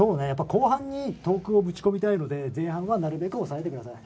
後半にトークをぶち込みたいので前半はなるべく抑えてください。